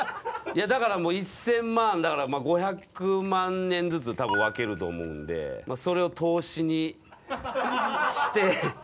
だから１０００万だから５００万円ずつ分けると思うんでそれを投資にして。